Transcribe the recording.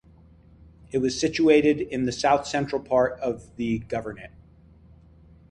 It was situated in the southcentral part of the governorate.